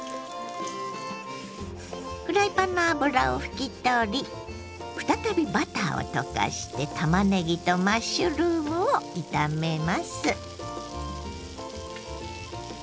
フライパンの油を拭き取り再びバターを溶かしてたまねぎとマッシュルームを炒めます。